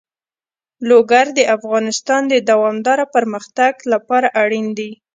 لوگر د افغانستان د دوامداره پرمختګ لپاره اړین دي.